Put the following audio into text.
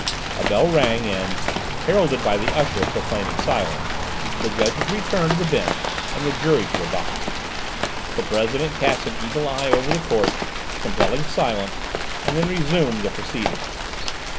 A bell rang, and, heralded by the usher proclaiming silence, the judges returned to the bench and the jury to their box. The President cast an eagle eye over the court, compelling silence, and then resumed the proceedings.